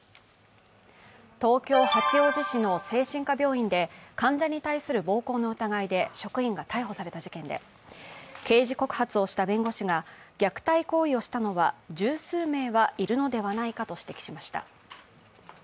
東京・八王子市の精神科病院で患者に対する暴行の疑いで職員が逮捕された事件で、刑事告発をした弁護士が虐待行為をしたのは十数名はいるのではないかと指摘しました。